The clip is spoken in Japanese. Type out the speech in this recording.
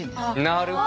なるほど。